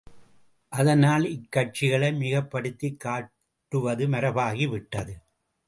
அதனால் இக்காட்சிகளை மிகைப்படுத்திக் காட்டுவது மரபாகிவிட்டது.